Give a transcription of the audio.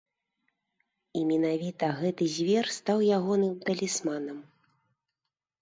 І менавіта гэты звер стаў ягоным талісманам.